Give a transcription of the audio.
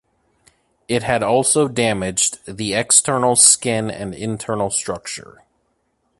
It had also damaged the external skin and internal structure.